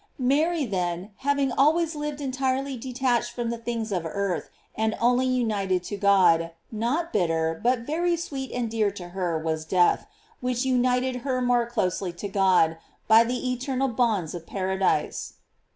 J Mary, then, having always lived entirely detached from the things of earth, and only united to God, not bitter, but very sweet and dear to her was death, which united her more closely to God, by the eternal bonds of paradise.